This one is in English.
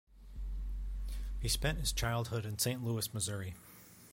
He spent his childhood in Saint Louis, Missouri.